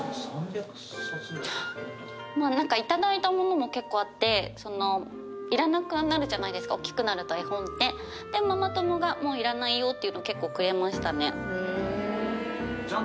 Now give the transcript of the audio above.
まぁ何かそのいらなくなるじゃないですかおっきくなると絵本ってでママ友がもういらないよっていうの結構くれましたね